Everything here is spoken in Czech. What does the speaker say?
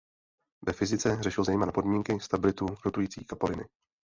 Ve fyzice řešil zejména podmínky stability rotující kapaliny.